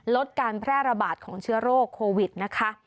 ลดการแพร่ระบาดของเชื้อโรคโควิดนะคะ